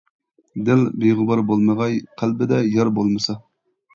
دىل بىغۇبار بولمىغاي قەلبىدە يار بولمىسا.